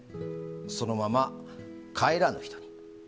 そのまま帰らぬ人に。